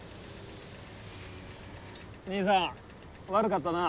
にいさん悪かったな。